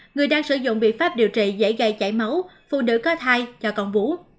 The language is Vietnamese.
người đang sử dụng biện pháp điều trị dễ gây chảy máu phụ nữ có thai cho con bú